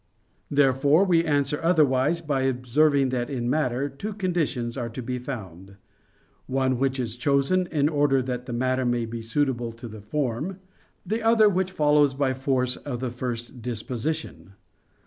Therefore we answer otherwise by observing that in matter two conditions are to be found; one which is chosen in order that the matter be suitable to the form; the other which follows by force of the first disposition.